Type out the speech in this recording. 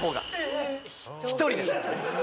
１人です